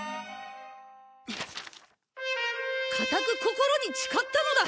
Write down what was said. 固く心に誓ったのだ！